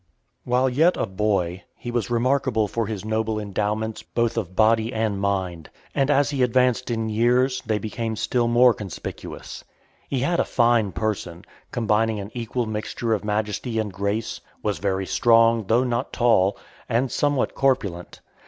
(466) III. While yet a boy, he was remarkable for his noble endowments both of body and mind; and as he advanced in years, they became still more conspicuous. He had a fine person, combining an equal mixture of majesty and grace; was very strong, though not tall, and somewhat corpulent.